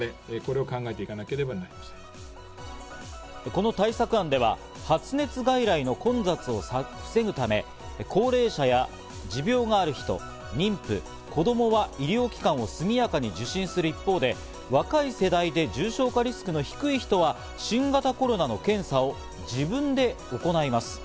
この対策案では発熱外来の混雑を防ぐため、高齢者や持病がある人、妊婦、子供は医療機関を速やかに受診する一方で、若い世代で重症化リスクの低い人は新型コロナの検査を自分で行います。